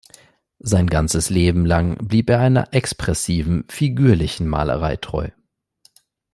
Sein ganzes Leben lang blieb er einer expressiven, figürlichen Malerei treu.